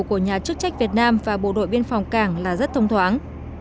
của nhà chức trách việt nam và bộ đội biên phòng cảng là rất thông thoáng